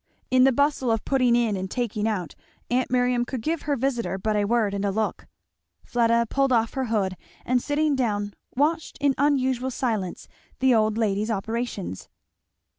In the bustle of putting in and taking out aunt Miriam could give her visitor but a word and a look. Fleda pulled off her hood and sitting down watched in unusual silence the old lady's operations.